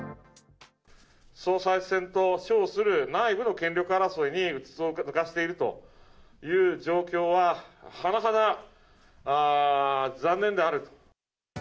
総裁選と称する内部の権力争いにうつつを抜かしているという状況は、甚だ残念であると。